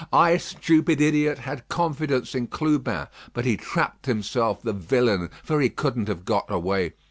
I, stupid idiot, had confidence in Clubin. But he trapped himself, the villain, for he couldn't have got away.